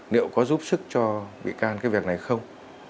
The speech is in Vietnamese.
liệu có giúp sức cho bị can cái việc này không